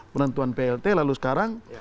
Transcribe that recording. penentuan plt lalu sekarang